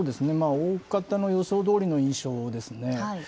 おおかたの予想どおりの印象ですね。